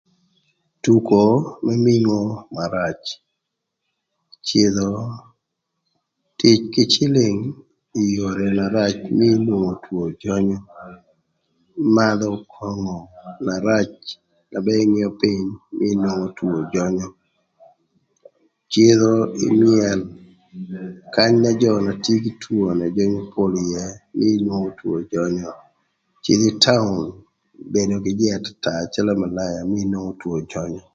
Tuko më mingo na rac, cïdhö tic kï cïlïng ï yore na rac mii inwongo two jönyö. Madhö köngö na rac na ba ingeo pïny mii inwongo two jönyö. Cïdhö ï myël kanya jö na tye kï two na pol ïë mii inwongo two jönyö. Cïdhö ï taun, bedo kï jïï atata calö malaya mii inwongo two jönyö.